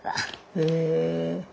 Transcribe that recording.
へえ。